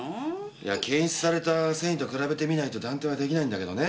いや検出された繊維と比べてみないと断定は出来ないんだけどね。